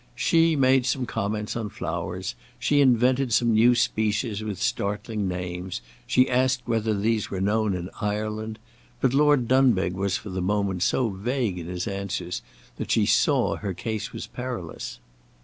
She made some comments on flowers; she invented some new species with startling names; she asked whether these were known in Ireland; but Lord Dunbeg was for the moment so vague in his answers that she saw her case was perilous.